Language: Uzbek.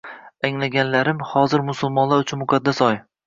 Anglaganlarim hozir musulmonlar uchun muqaddas oy